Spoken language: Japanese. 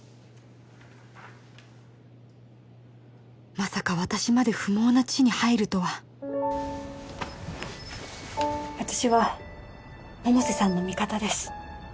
まさか私まで不毛な地に入るとは私は百瀬さんの味方です